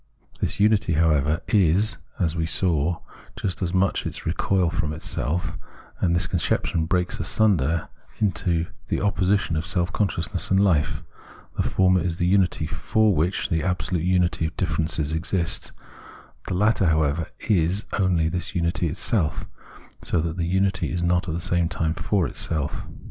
This vmity, however, is, as we saw, just as much its recoil from itself; and this conception breaks asunder into the opposition of self consciousness and fife : the former is the unity for which the absolute unity of differences exists, the latter, however, is only this unity itself, so that the unity is not at the same time for itself.